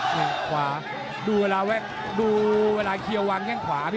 ให้ดูจนจบเลยนะครับ